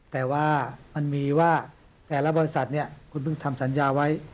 แต่ว่ามันมีว่าแต่ละบริษัทคุณเพิ่งทำสัญญาไว้